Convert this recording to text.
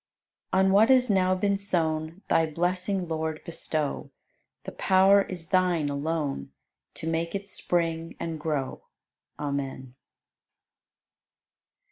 86. On what has now been sown Thy blessing, Lord, bestow; The power is Thine alone To make it spring and grow. Amen.